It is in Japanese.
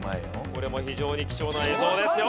これも非常に貴重な映像ですよ。